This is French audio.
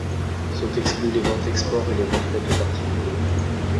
Sont exclues les ventes export et les ventes faites aux particuliers.